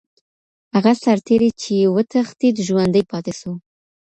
هغه سرتیری چي وتښتید ژوندی پاتې سو.